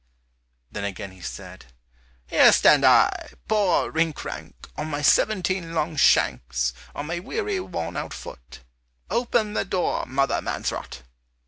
Then again he said, "Here stand I, poor Rinkrank, On my seventeen long shanks, On my weary, worn out foot, Open the door, Mother Mansrot."